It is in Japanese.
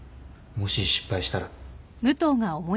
もし失敗したら。